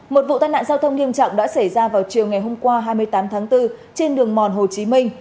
một vụ tai nạn giao thông nghiêm trọng đã xảy ra vào chiều ngày hôm qua hai mươi tám tháng bốn trên đường mòn hồ chí minh